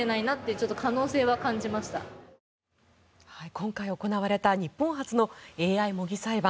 今回行われた日本初のＡＩ模擬裁判。